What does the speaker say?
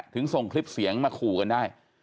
ถึงส่งคลิปเสียงมาขู่กันได้